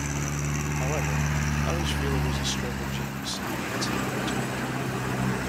However, others feel it was a stroke of genius, enhancing the interior.